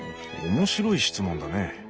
面白い質問だね。